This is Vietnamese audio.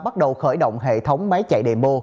bắt đầu khởi động hệ thống máy chạy demo